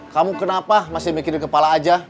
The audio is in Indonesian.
kamu kenapa masih mikirin kepala aja